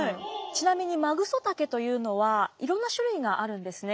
ちなみにマグソタケというのはいろんな種類があるんですね。